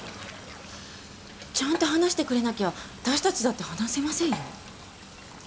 ちゃんと話してくれなきゃ私たちだって話せませんよ。